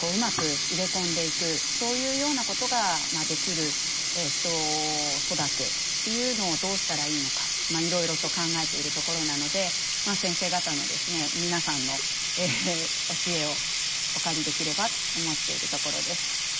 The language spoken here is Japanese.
そういうようなことができる人を育てるというのをどうしたらいいのかいろいろと考えているところなので先生方のですね皆さんのお知恵をお借りできればと思っているところです。